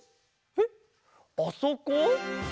へっ？あそこ？